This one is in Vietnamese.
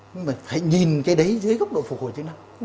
nhưng mà phải nhìn cái đấy dưới góc độ phục hồi chức năng